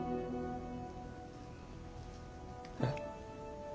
えっ？